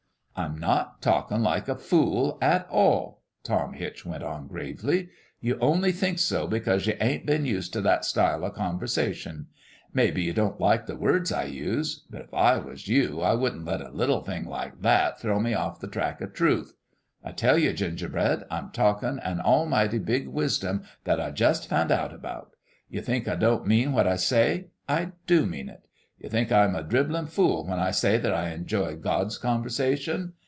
" I'm not talkin' like a fool, at all," Tom Hitch went on, gravely. " You only think so because you ain't been used t' that style o' conversation. Maybe you don't like the words I use ; but if I was you I wouldn't let a little thing like that throw me off the track o' truth. I tell you, Gingerbread, I'm talkin' an almighty big wis dom that I jus' found out about ! You think I don't mean what I say? I do mean it. You think I'm a dribblin' fool when I say that I en joy God's conversation?